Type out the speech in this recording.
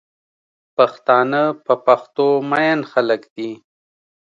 پښتانه په پښتو مئین خلک دی